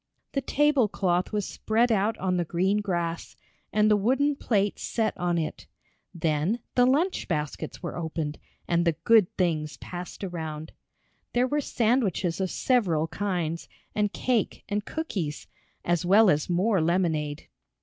The table cloth was spread out on the green grass, and the wooden plates set on it. Then the lunch baskets were opened and the good things passed around. There were sandwiches of several kinds, and cake and cookies, as well as more lemonade.